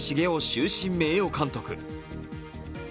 終身名誉監督。